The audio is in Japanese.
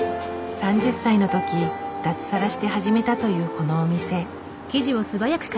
３０歳のとき脱サラして始めたというこのお店。